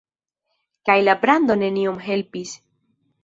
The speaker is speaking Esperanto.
Kaj la brando neniom helpis.